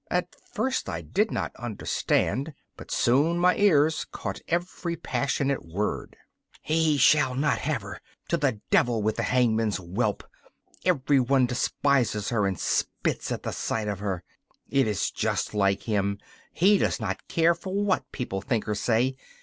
At first I did not understand, but soon my ears caught every passionate word: 'He shall not have her! To the devil with the hangman's whelp! Every one despises her and spits at the sight of her. It is just like him he does not care for what people think or say.